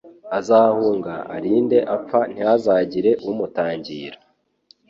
azahunga arinde apfa ntihazagire umutangira